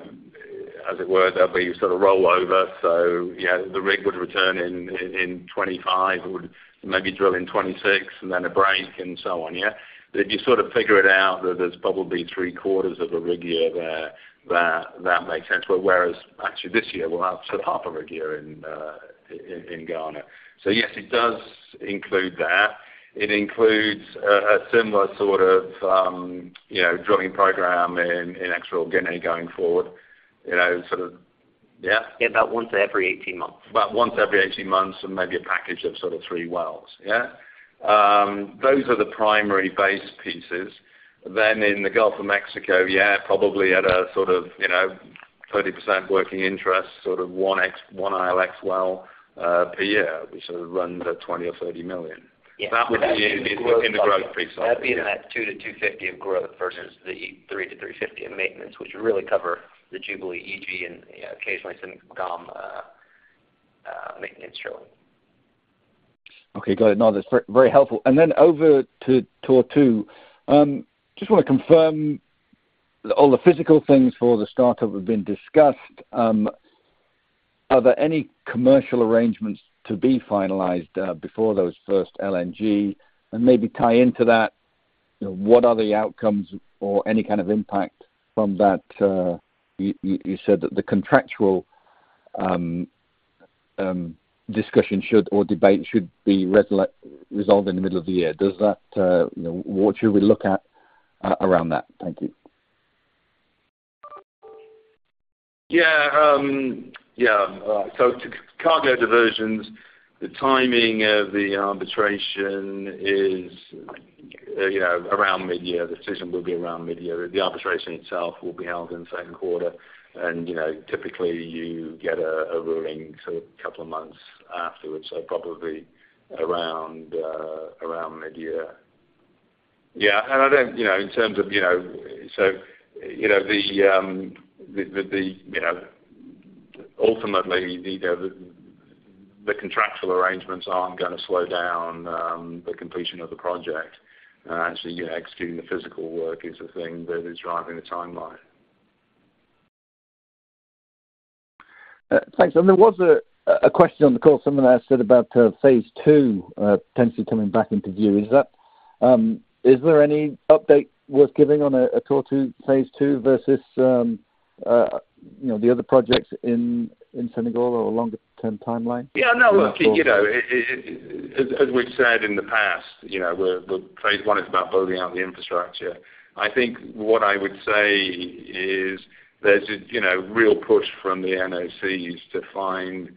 as it were, there'll be sort of rollover, so, you know, the rig would return in 25, it would maybe drill in 26, and then a break, and so on. Yeah. If you sort of figure it out, there's probably three quarters of a rig year there, that makes sense. But whereas actually this year, we'll have sort of half a rig year in Ghana. So yes, it does include that. It includes a similar sort of, you know, drilling program in Equatorial Guinea going forward, you know, sort of, yeah. Yeah, about once every 18 months. About once every 18 months, and maybe a package of sort of three wells. Yeah? Those are the primary base pieces. Then in the Gulf of Mexico, yeah, probably at a sort of, you know, 30% working interest, sort of one X- one ILX well, per year, which sort of runs at $20 million-$30 million. Yeah. That would be in the growth piece. That'd be in that 2-250 of growth versus the 3-350 in maintenance, which would really cover the Jubilee, EG, and occasionally some GOM maintenance shortly. Okay, got it. No, that's very, very helpful. And then over to Tortue, just want to confirm all the physical things for the startup have been discussed. Are there any commercial arrangements to be finalized before those first LNG? And maybe tie into that, you know, what are the outcomes or any kind of impact from that, you said that the contractual discussion or debate should be resolved in the middle of the year. Does that, you know, what should we look at around that? Thank you. Yeah, yeah. So to cargo diversions, the timing of the arbitration is, you know, around mid-year. The decision will be around mid-year. The arbitration itself will be held in the second quarter, and, you know, typically you get a ruling sort of couple of months afterwards, so probably around, around mid-year. Yeah, and I don't, you know, in terms of, you know. So, you know, ultimately, the contractual arrangements aren't gonna slow down the completion of the project. Actually, you know, executing the physical work is the thing that is driving the timeline. Thanks. And there was a question on the call, someone asked about phase two potentially coming back into view. Is that, is there any update worth giving on a Tortue two phase two versus you know the other projects in Senegal or a longer-term timeline? Yeah, no, look, you know, it-- as we've said in the past, you know, we're-- phase one is about building out the infrastructure. I think what I would say is there's a, you know, real push from the NOCs to find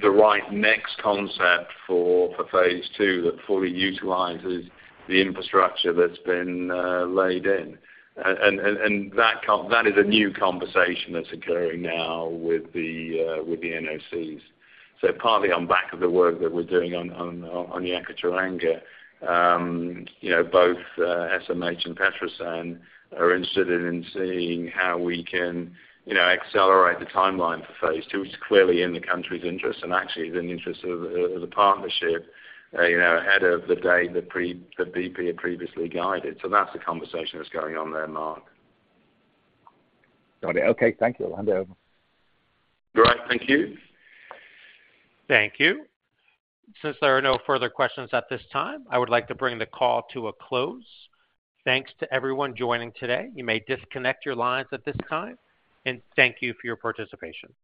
the right next concept for, for phase two, that fully utilizes the infrastructure that's been laid in. And that is a new conversation that's occurring now with the NOCs. So partly on back of the work that we're doing on the Yakaar-Teranga, you know, both SMH and PETROSEN are interested in seeing how we can, you know, accelerate the timeline for phase two. It's clearly in the country's interest and actually in the interest of the partnership, you know, ahead of the day that BP had previously guided. So that's the conversation that's going on there, Mark. Got it. Okay, thank you. Over and out. All right, thank you. Thank you. Since there are no further questions at this time, I would like to bring the call to a close. Thanks to everyone joining today. You may disconnect your lines at this time, and thank you for your participation.